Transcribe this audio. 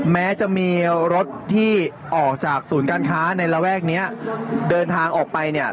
แม้จะมีรถที่ออกจากศูนย์การค้าในระแวกเนี้ยเดินทางออกไปเนี่ย